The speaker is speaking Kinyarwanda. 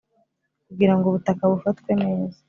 Kugira ngo ubutaka bufatwe neza